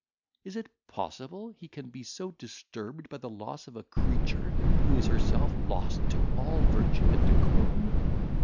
Is it possible he can be so disturbed by the loss of a creature who is herself lost to all virtue and decorum?